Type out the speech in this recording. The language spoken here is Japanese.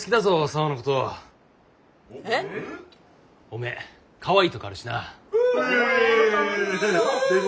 おめえかわいいとこあるしな。